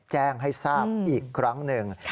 แจ้งให้ทราบอีกครั้งหนึ่ง